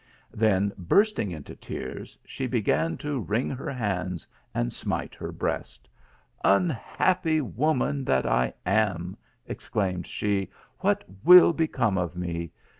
Then bursting into tears she began to wring her hands and smite her breast, " Unhappy woman that I am !" exclaimed she, " what will become of me